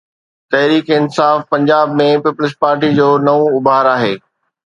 تحريڪ Insaf Punjab ۾ Peoples Party جو نئون اڀار آهي.